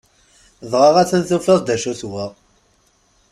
Dɣa atan tufiḍ-d acu-t wa!